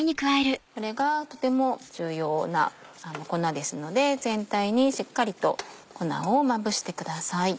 これがとても重要な粉ですので全体にしっかりと粉をまぶしてください。